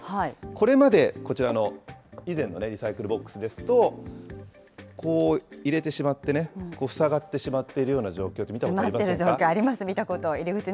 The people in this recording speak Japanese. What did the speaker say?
これまで、こちらの以前のリサイクルボックスですと、こう入れてしまってね、塞がってしまっているような状況、見たことありませ詰まっているの、見たことあります。